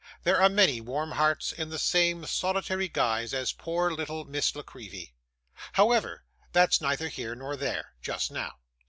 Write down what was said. There are many warm hearts in the same solitary guise as poor little Miss La Creevy's. However, that's neither here nor there, just now.